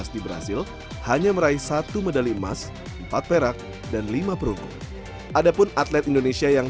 di brazil hanya meraih satu medali emas empat perak dan lima perunggu ada pun atlet indonesia yang